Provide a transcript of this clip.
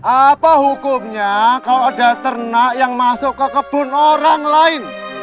apa hukumnya kalau ada ternak yang masuk ke kebun orang lain